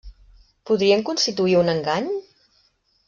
Podrien constituir un engany?